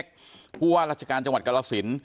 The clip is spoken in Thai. พวกระเบียนที่ราชการจังหวัดกลสิน